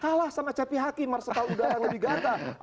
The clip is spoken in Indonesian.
kalah sama cp hakim harus setahu udara lebih gata